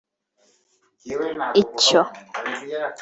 Icyo